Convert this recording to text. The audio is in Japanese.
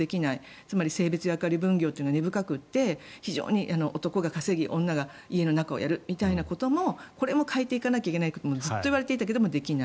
つまり性別役割分業というのは根深くて非常に男が稼ぎ女が家の中をやるみたいなことも変えていかなきゃいけないってずっと言われていたけれどできない。